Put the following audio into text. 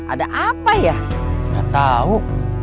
ada apa ya kita tahu